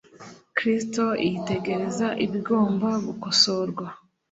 Kristo yitegereza ibigomba gukosorwa.